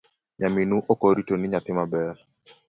Nyaminu okoritoni nyathi maber.